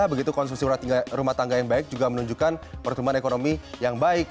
begitu konsumsi rumah tangga yang baik juga menunjukkan pertumbuhan ekonomi yang baik